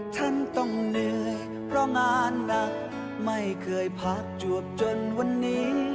ฉันต้องเหนื่อยเพราะงานหนักไม่เคยพักจวบจนวันนี้